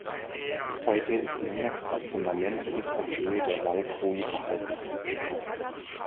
Heute ist nur noch das Fundament bis auf Höhe der Wallkrone erhalten.